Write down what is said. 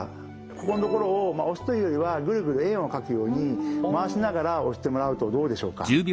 ここのところを押すというよりはグルグル円を描くように回しながら押してもらうとどうでしょうか？